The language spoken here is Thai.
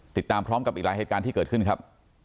ติดตามพร้อมกับอีกหลายเหตุการณ์ที่เกิดขึ้นครับ